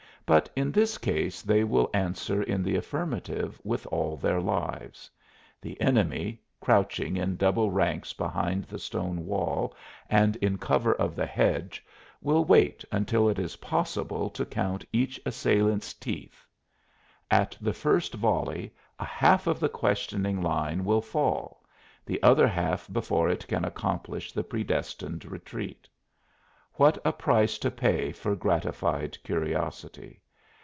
But in this case they will answer in the affirmative with all their lives; the enemy, crouching in double ranks behind the stone wall and in cover of the hedge, will wait until it is possible to count each assailant's teeth. At the first volley a half of the questioning line will fall, the other half before it can accomplish the predestined retreat. What a price to pay for gratified curiosity!